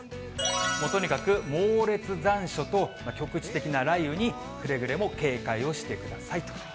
もうとにかく猛烈残暑と局地的な雷雨に、くれぐれも警戒をしてくださいと。